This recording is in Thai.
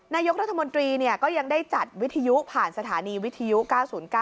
นายกรัฐมนตรีก็ยังได้จัดวิทยุผ่านสถานีวิทยุ๙๐๙